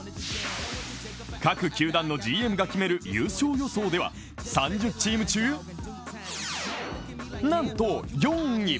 各球団のＧＭが決める優勝予想では３０チーム中なんと４位。